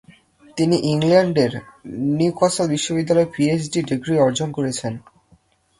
তিনি ইংল্যান্ডের নিউক্যাসল বিশ্ববিদ্যালয়ে পিএইচডি ডিগ্রি অর্জন করেছেন।